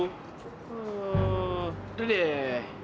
hmm udah deh